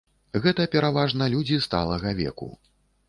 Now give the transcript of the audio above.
Гэта пераважна людзі сталага веку.